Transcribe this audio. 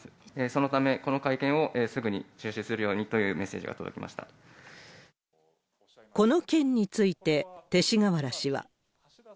そのため、この会見をすぐに中止するようにというメッセージが届この件について、勅使河原氏は。